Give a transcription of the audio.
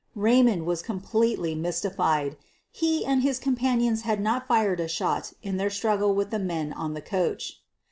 Raymond was completely mystified. He and his companions had not fired a shot in their struggle with the men on the coach.